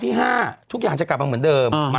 โทษทีน้องโทษทีน้อง